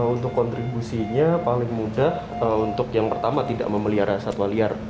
untuk kontribusinya paling mudah untuk yang pertama tidak memelihara satwa liar